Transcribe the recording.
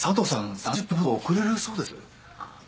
３０分ほど遅れるそうです。